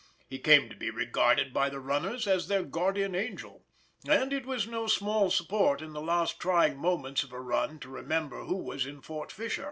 He came to be regarded by the runners as their guardian angel; and it was no small support in the last trying moments of a run to remember who was in Fort Fisher.